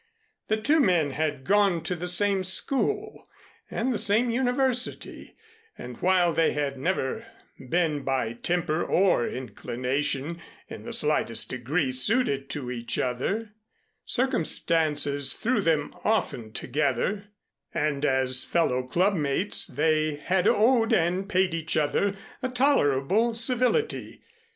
The two men had gone to the same school, and the same university; and while they had never been by temper or inclination in the slightest degree suited to each other, circumstances threw them often together and as fellow club mates they had owed and paid each other a tolerable civility.